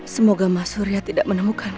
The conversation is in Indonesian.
semoga mas surya tidak menemukan